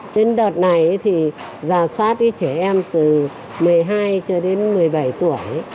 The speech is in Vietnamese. đến đợt này thì giả soát trẻ em từ một mươi hai cho đến một mươi bảy tuổi